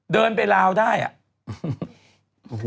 เดินไปลาวได้อ่ะ